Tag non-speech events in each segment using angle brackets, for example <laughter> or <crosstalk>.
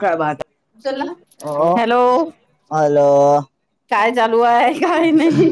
काय बात चला हो हॅलो हॅलो काय? चालू आहे काय नाही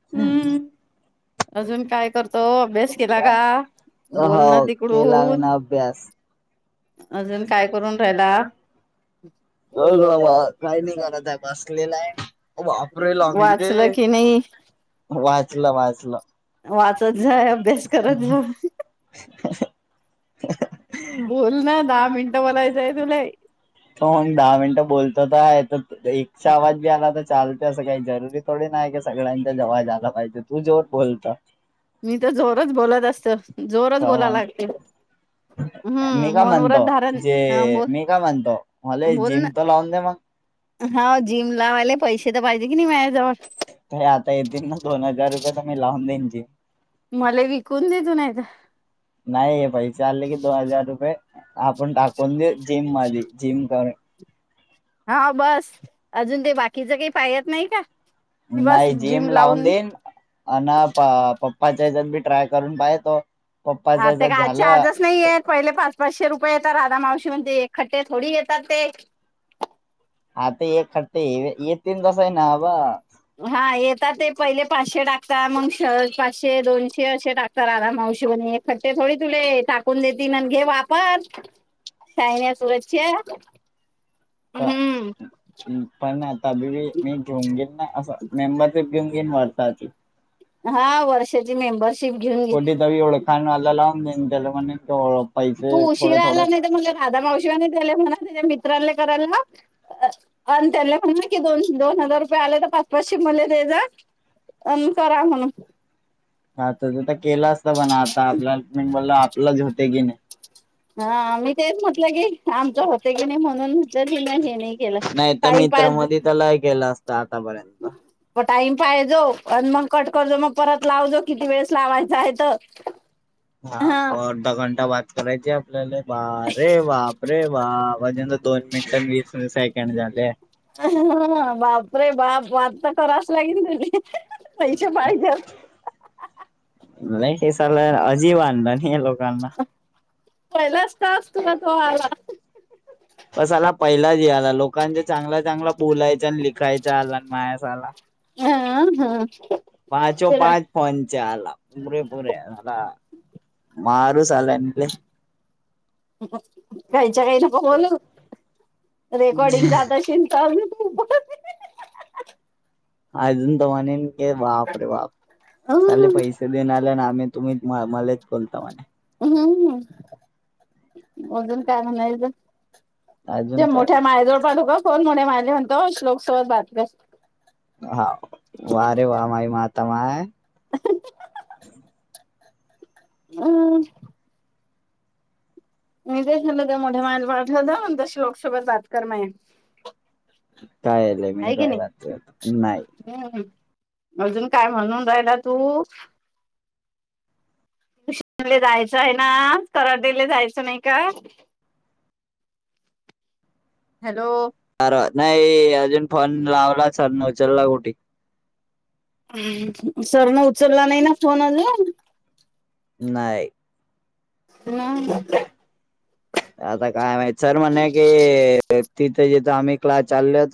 हम्म अजून काय करतो अभ्यास केला का बोलण हो तिकडून. अजून काय करून जायला कळ काही नाही घरात आहे बसलेला आहे. वापरे लागली रे वाचलं की नाही वा. अस वाचला. वाचत जाय अभ्यास करत जा बोल ना. त मग दहा मिनिटं बोलायचंय तुला दहा मिनिटं बोलत. तताेत एकचा आवाज बी आला तर चाल. ंकाही जरुरी थोडी नाही. सगळ्यांचा जवज झाला पाहिजे. तू जेव्हा बोलता मी तर जोरच बोलत असत. जोरच बोला लागते मी हम्म काय मौनव्रत म्हणतो, धारण जे हा बोल मी काय म्हणतो मला ऐक बोल जिम ना त लावून दया म हा जिम लावायले पैसे तर पाहिजे की नाई मायाजवळ हो आता येतीन ना दोन हजार रुपये तर मी लावून देईन. <inaudible> मला विकून दे तू नाय तर नाहीये, पैसे आले की दो हजार रुपये आपण टाकून देऊ जिम मधी जिम करू हा बस, अजून ते बाकीच काही पाह्यत नाही का? नाही जिम लावून देईन अन प पप पाच्यात मी ट्राय करून पायतो. आता गं आज आजच नाहीयेत, पहिले पाच पाचशे रुपये येत राधा मावशी म्हणते ईखट्टे थोडी येतात ते आता एक खट्ट ये ये तीन तस हाय ना आबा हा येेतात ते पहिले पाचशे टाकतात, मग श पाचशे, दोनशे असे टाकत राधा मावशी म्हणे ईखट्टे थोडी तुले टाकून देतील आणि घे वापर, शायन्या सुरज च्या त पाहिन्यात तबी मी, मी घेऊन घेईन ना असं मेंबरशिप घेऊन पेन हारता ताची हा, वर्षाची मेंबर कोली दवी एवढं खाण आलाला <unintelligible> तू उशीरा आला नाही तर म्हणलं राधा मावशी आणि त्याला म्हणा होते मी <unintelligible> करायले अन त्याणल म्हणा की दोन दोन हजार रुपये आले तर पाच पाचशे मला दे जा अनं करा म्हणून हा तज त केलं असत पण आता आपल्या मी बोललं आप तुला झोते की नाय? हा मी तेच म्हटलं की आमचं होते की नाही म्हणून दिल ह्येनी नाही तर मी तर मधी त लय केलं असत आतापर्यंत टाईम पाहिजो आणि मग कट करजो, मग परत लावजो किती वेळेस लावायचं आहे तो हा पण अर्धा घंटा बाात करायचे आप लेले वा रे बापरे वा वाज दे दोन मिनिटं वीस सेकंड झाले बाप रे बाप वार्ता करावंसं लागेन तुली पैसे पायजेत. नाही हे सालं अजीब आणबण हे लोकांना पहिला असतास तुला तो आला पण साला <inaudible> लोकांचे चांगला चांगला बोलायचं आणि लिखायचं आला अन माय साला ह हा पाचो पाच फोनचा आला. <unintelligible> <unintelligible> काय काही काय नको बोलू रेकॉर्डिंग जात अशीन चा <unintelligible> अजून <unintelligible> बाप रे बाप साले पैसे देनालय अ म तुम्ही मलाच बोलता म्हणे हम्म अजून काय म्हणायचं? ते अजून काय. मोठ्या मायजवळ पाठवू का? <unintelligible> म्हणतो लोकसभेत बातम <unintelligible> हा वा रे वा माई मात् तमाय हम् <inaudible> काय झालंय मी आहे की काय नाही घालते नाही. हम्म अजून काय म्हणून राहिला तू? टूशनले जायचं आहे ना कराटेला जायचं नाही का? हॅलो अर नाही अजून फोन लावला सर न उचलला कुठे? सरन उचलला नाही ना फोन अजून? नाय. <inaudible> आता काय माहिती सर म्हणे की अ तिथे जिथं आम्ही क्लास चाले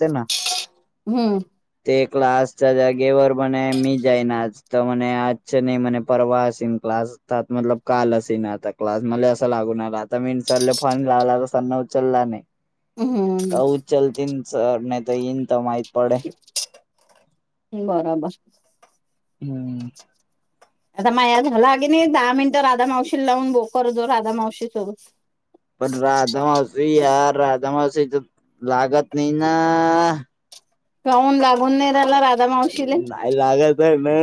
हम्म ते क्लासच्या जागेवर म्हणे मी जाईन आज तर म्हणे आजच नाही म्हणे परवा असन क्लास त मतलब काल असीन आता क्लास मला असं लागून आला आता मी चल फोन लावला तर सरनं उचलला नाही. त हम्म उचलतीन सर नय् <unintelligible> पड बरोबर. हम्म. आता माया झाला की, नाही दहा मिनिटं राधा मावशीला लावून बो करतो, राधा मावशी सोबत. पण राधामावशी या राधामावशी. ज लागत नाही ना. काहून लागून नाही राला. नाही लागतय. मे.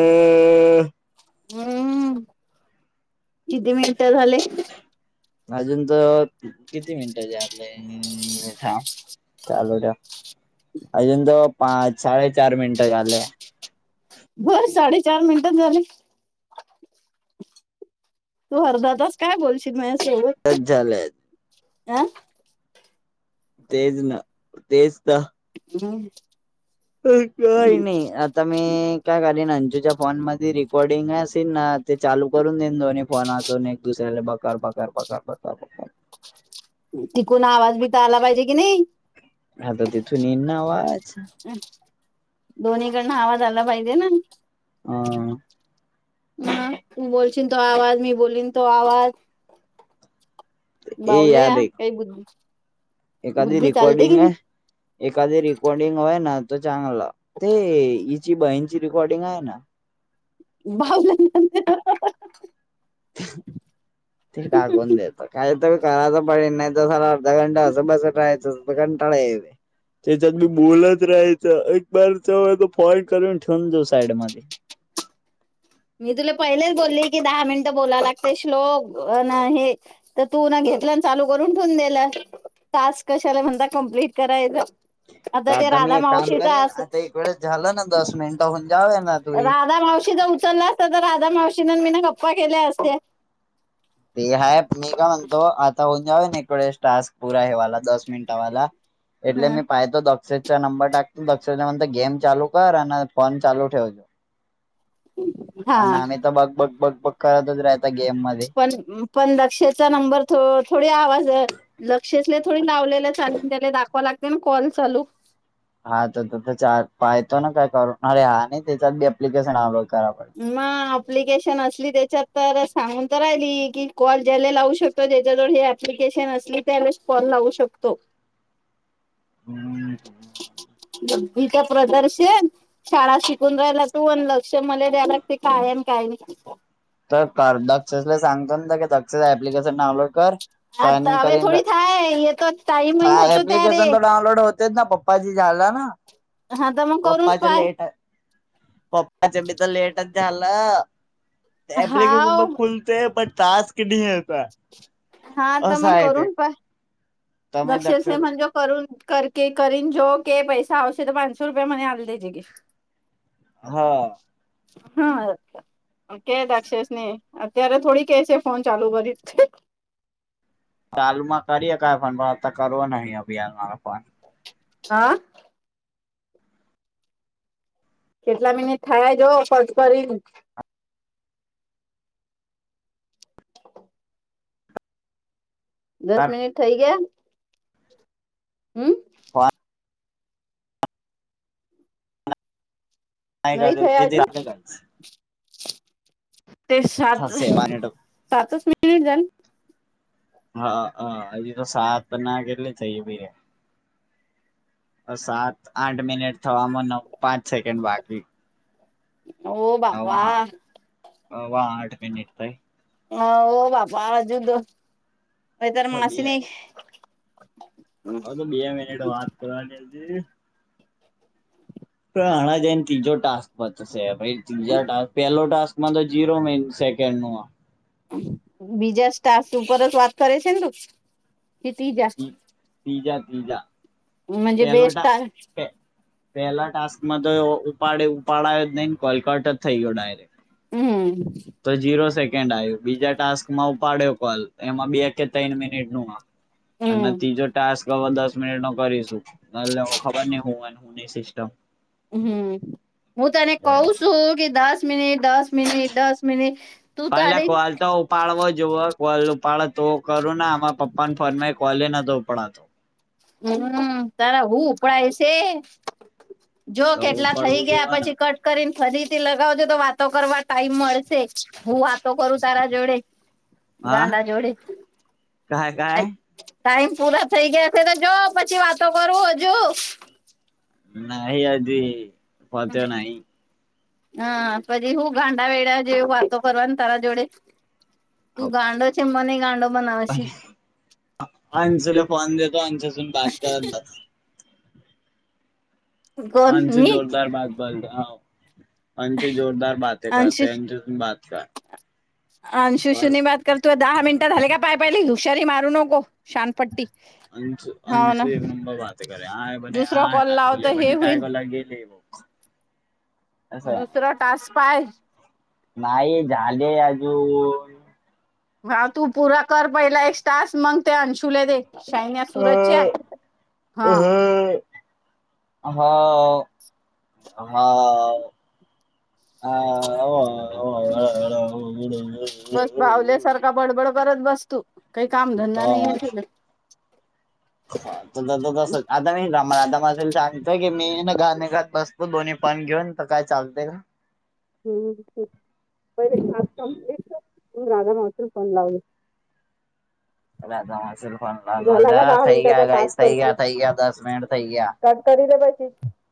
हम्म किती मिनिटं झाले. अजून त किती मिनिटं झाले, चालू द्या अजून त पाच साडेचार मिनिट झालेय. बरं साडेचार मिनिटात झाले. तू हरदादास काय बोलशील म टच झालं. आं तेच ना तेच तर. हम्. काही नाही आता मी काय कर प्लेन अंजूच्या अंजूच्या फोन म रेकॉर्डिंग असेल ना, ते चालू करून देईन दोन्ही फोनातून एक दुसऱ्याला, बकार बकार बकार बकार. तिकून आवाज बिता आला पाहिजे कि नाही. हाता तिथू यईल नावाज. दोन्ही कडनं आवाज आला पाहिजे ना. अं, ह बोल. चि तो आवाज मी बोललीन तो आवाज. ए बावले या यार एक काय <unintelligible> एखादी रेिकॉर्डिंग आहे. एखादी रेिकॉर्डिंग वय ना. चगला ते इ ची बहीणची रेकॉर्डिंग आहे ना. बाव <unintelligible> ते टाकून देत काहीतरी करायचं पडल नाही. तसाला सला अर्ध गंडा घंटाळा असंच बसून राहायचं कंटाळा येईल. त्याच्यात मी बोलत राह. एक बार चव फॉइट कर ठेन जा साईड मध्ये. मी तुला पहिलेच बोलली की, दहा मिनट बोलाव लागते श्लोक, ना हे तर तू ना घेतलं, आणि चालू करून ठेवून दिलं, तास्क कशाला म्हणता कम्प्लीट करायचं. तर ते आता मी राधा एक काम मावशीचा करीन, आता एक वेळेस झालं ना दस मिनिटहन जावे ना. तुही राधा मावशीचा उचलला. राधा मावशीन मी ना गप्पा केल्या असत्या. ते हाय मी का म्हणतो आता उद्या या वेळेस टास्क पुूरा हेवाला दस मिनिटावाला ऐकले हा मी पायदो दक्ष चा नंबर टाकतो दक्षच्या म्हणतो गेम चालू कर आणि फोन चालू ठेव जा आणि हा आम्ही तर बघ बघ बघ बघ कळतच राहत गेम मध्ये पण पण दक्ष चार नंबर थोडी आवाज आहे लक्षतले थोडी लावलेला चालेल त्याला दाखवा लागते ना कॉल चालू हा तर त चार पाहतो ना काय करून अरे हा नाही त्याच्यात ते एप्लीकेशन आल बघ मग अप्लिकेशन असली त्याच्यात तर सांगून तर राहिली की कॉल ज्याला लावू शकतो ज्याच्याजवळ हे एप्लिकेशन असली त्यालाच कॉल लावू शकतो. बीच प्रदर्शन शाळा शिकून राहिला तू लक्ष म्हणे काय आहे आणि काय नाही. तर कार दक्ष जे सांगतो ना एप्लिकेशन डाउनलोड कर साइन इन करीन तर टाइमिंग होतो तर तेच ना पप्पाजी झाला ना- हा तर मग करून पप्पाच्या पाय लेट आहे पप्पाच बी तर लेटच झालं. एप्लिकेशन पण हाव खुलते बट तास किती होता हा तर मग करून पा दक्ष म्हणजे कर करके करन जो क पैसा आ तर पाचसो रुपया मणे आव दजे के हा हा छ के राक्षस न अतरथोडी केसे फोन चालू करी चालूमा करय काय पण पण आता करव नाही अभियान आपण हा किटला मिनिट थजा फर्च करन दस तर मिनिट ठई गया. हम्म फोन नाही कर ठया किती अजून झाले <unintelligible> ते सात थसे सातच म <unintelligible> <unintelligible> <unintelligible> हो बाबा <unintelligible> <unintelligible> <unintelligible> <unintelligible> <unintelligible> <unintelligible> <unintelligible> <unintelligible> <unintelligible> <unintelligible> म्हणजे <unintelligible> <unintelligible> त झिरो सेक, <unintelligible> मनिट न करस खबर नाही ह नाही सिस्टम <unintelligible> <unintelligible> <unintelligible> <unintelligible> <unintelligible> <unintelligible> <unintelligible> <unintelligible> उकाळू जेव्हा ना <unintelligible> <unintelligible> हा <unintelligible> काय काय <unintelligible> <unintelligible> <unintelligible> <unintelligible> <unintelligible> <unintelligible> आमचे जोरदार बागबान अंशु करते अंशूसून बात कर अंशुशनी बात करतू दहा मिनटं झाले का पाय पहिले हुषारी मार न गो शानपट्टी अंच हो ना अंशू एक नंबर वाात करे आहेय बलेय दुसरा कॉल काय लाव बोले तर हे पण टाय होईल बोला गेले ब <unintelligible> दुसरा टास्क पाय- नाही झाले अजून. ह तू पुूरा कर पहिला एक स्टास, मग ते अंशुले दे. शायनया सुरतच्या, हा. हा, हा, हा, बस बावल्यासारखा बडबड परत बस तू. काही कामधंदा नाही हे. ह त तस आता मला आता माेल सांगतय की मी <unintelligible> गाणे गात बसतो, दोन्ही पण घेऊन तर काय चालतेय ना.? हम्म आज रागा म उतून फोन लावली <unintelligible> अ माशर फोन लालोज का दहा य ग्या मिनिटाचा गई टास्क ग्या कंप्लीट य ग्या दस मिनट य ग्या कट करी दे बाई <unintelligible>